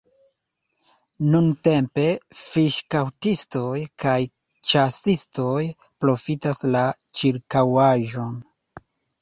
Nuntempe fiŝkaptistoj kaj ĉasistoj profitas la ĉirkaŭaĵon.